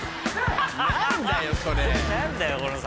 何だよそれ。